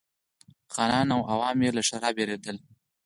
خانان او عوام یې له ښرا بېرېدل.